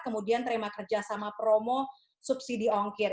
kemudian terima kerjasama promo subsidi ongkir